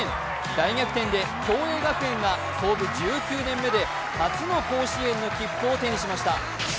大逆転で共栄学園が創部１９年目で初の甲子園の切符を手にしました。